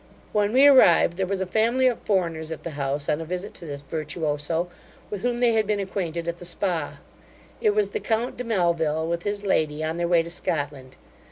When we arrived, there was a family of foreigners at the house, on a visit to this virtuoso, with whom they had been acquainted at the Spa; it was the count de Melville, with his lady, on their way to Scotland.